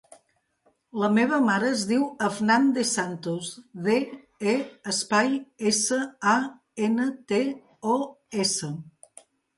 La meva mare es diu Afnan De Santos: de, e, espai, essa, a, ena, te, o, essa.